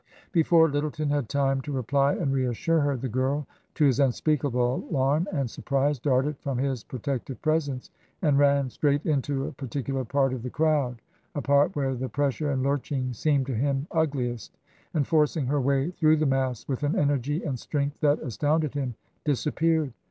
Before Lyttleton had time to reply and reassure her, the girl, to his unspeakable alarm and surprise, darted from his protective presence and ran straight into a par ticular part of the crowd — a part where the pressure and lurching seemed to him ugliest — and forcing her way through the mass with an energy and strength that astounded him, disappeared.